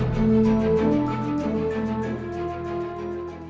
โปรดติดตามตอนต่อไป